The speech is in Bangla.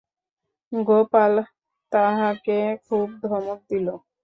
গোপাল তাহাকে খুব ধমক দিল।